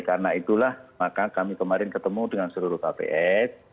karena itulah maka kami kemarin ketemu dengan seluruh kps